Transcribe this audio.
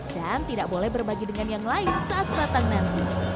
dan tidak boleh berbagi dengan yang lain saat datang nanti